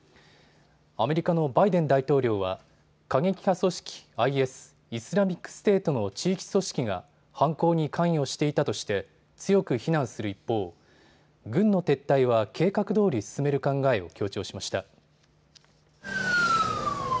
アメリカのバイデン大統領は過激派組織ＩＳ・イスラミックステートの地域組織が犯行に関与していたとして強く非難する一方軍の撤退は計画どおり進める考えを強調しました。